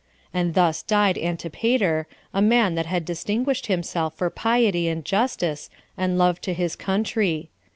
And thus died Antipater, a man that had distinguished himself for piety and justice, and love to his country.